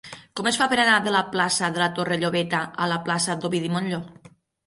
Com es fa per anar de la plaça de la Torre Llobeta a la plaça d'Ovidi Montllor?